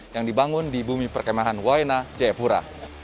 yang dibangun di bumi perkemahan waina ceyapura